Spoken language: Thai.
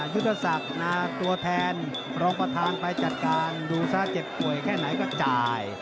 ยุทธศักดิ์ตัวแทนรองประธานไปจัดการดูซะเจ็บป่วยแค่ไหนก็จ่าย